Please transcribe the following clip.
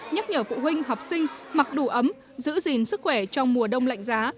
nhắc nhở phụ huynh học sinh mặc đủ ấm giữ gìn sức khỏe trong mùa đông lạnh giá